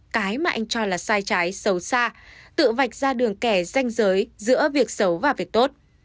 cái mà anh cho là sai trái sâu xa tự vạch ra đường kẻ gian giới giữa việc xấu và việc tốt